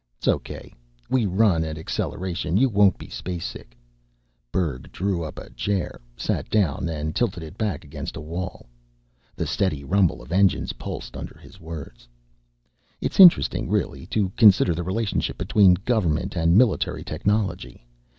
"Sokay. We run at acceleration, you won't be spacesick." Berg drew up a chair, sat down, and tilted it back against a wall. The steady rumble of engines pulsed under his words: "It's interesting, really, to consider the relationship between government and military technology.